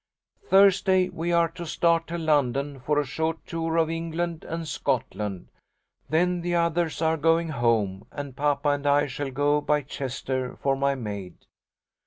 Thursday we are to start to London for a short tour of England and Scotland. Then the others are going home and papa and I shall go by Chester for my maid.